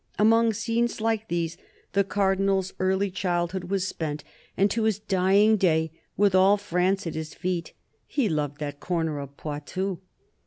Among scenes like these the Cardinal's early childhood EARLY YEARS 15 was spent, and to his dying day, witii all France at his feet, he loved that corner of Poitou.